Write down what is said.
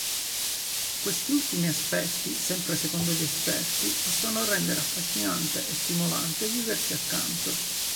Questi ultimi aspetti, sempre secondo gli esperti, possono rendere affascinante e stimolante viverci accanto.